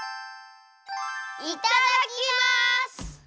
いただきます！